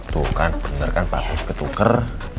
tuh kan bener kan patut ketuker